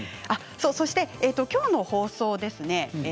そして今日の放送ですね。